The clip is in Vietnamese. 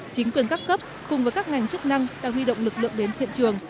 chính quyền các cấp cùng với các ngành chức năng đã huy động lực lượng đến hiện trường